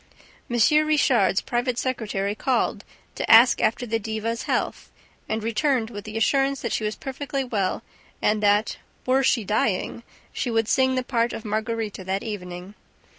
M. Richard's private secretary called to ask after the diva's health and returned with the assurance that she was perfectly well and that, "were she dying," she would sing the part of Margarita that evening.